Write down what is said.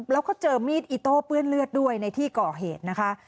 แล้วก็เจอมีดอิโต้เปื้อนเลือดด้วยในที่ก่อเหตุนะคะ